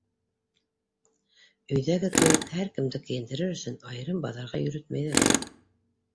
Өйҙәге кеүек һәр кемде кейендерер өсөн айырым баҙарға йөрөтмәйҙәр.